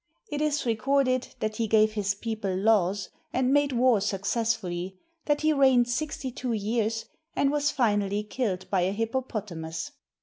It is recorded that he gave his people law^s and made war successfully, that he reigned sixty two years, and was finally killed by a hippopotamus.